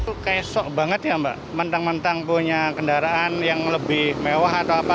itu kesok banget ya mbak mentang mentang punya kendaraan yang lebih mewah atau apa